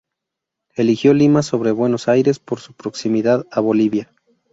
Eligió Lima sobre Buenos Aires por su proximidad a Bolivia.